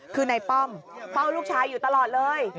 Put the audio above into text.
คือในป้อมเฝ้าลูกชายอยู่ตลอดเลย